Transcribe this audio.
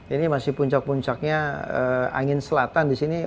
ini masih puncak puncaknya angin selatan disini